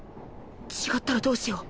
違ったらどうしよう